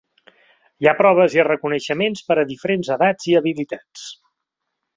Hi ha proves i reconeixements per a diferents edats i habilitats.